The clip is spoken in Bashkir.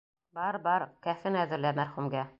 Бар, бар, кәфен әҙерлә мәрхүмгә.